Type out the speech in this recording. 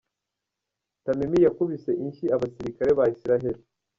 Tamimi yakubise inshyi abasirikare ba Isiraheli.